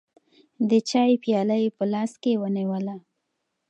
د چای پیاله یې په لاس کې ونیوله.